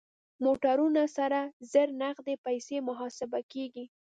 موټرونه سره زر نغدې پيسې محاسبه کېږي.